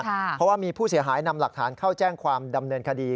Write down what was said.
เพราะว่ามีผู้เสียหายนำหลักฐานเข้าแจ้งความดำเนินคดี